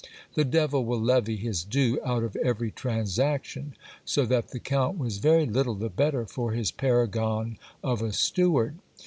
The devil will levy his due out of every transaction ; so that the count was very little the better for his paragon of a steward.